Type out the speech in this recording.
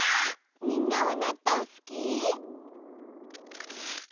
みんなはなっとうすき？